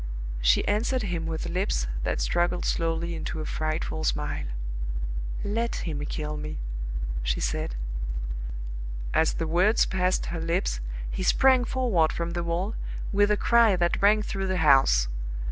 She answered him with lips that struggled slowly into a frightful smile. "Let him kill me," she said. As the words passed her lips, he sprang forward from the wall, with a cry that rang through the house.